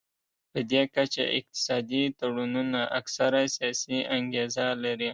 پدې کچه اقتصادي تړونونه اکثره سیاسي انګیزه لري